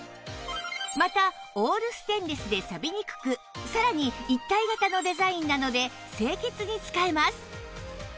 またオールステンレスでさびにくくさらに一体型のデザインなので清潔に使えます